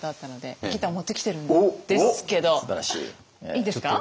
いいですか？